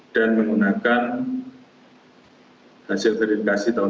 dan menggunakan hasil verifikasi tahun dua ribu dua puluh